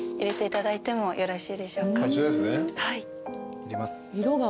入れます。